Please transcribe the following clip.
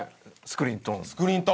スクリーントーン。